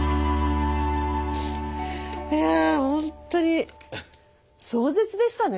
いやほんとに壮絶でしたね。